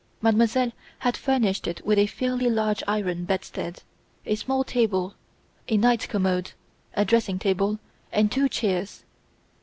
Mademoiselle had furnished it with a fairly large iron bedstead, a small table, a night commode; a dressing table, and two chairs.